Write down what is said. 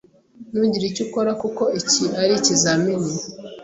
"Ntugire icyo ukora kuko iki ari ikizamini?"